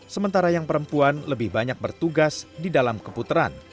sementara yang perempuan lebih banyak bertugas di dalam keputaran